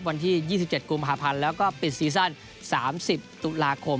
วันที่๒๗กุมภาพันธ์แล้วก็ปิดซีซั่น๓๐ตุลาคม